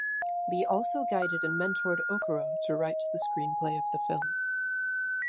Lee also guided and mentored Okoro to write the screenplay of the film.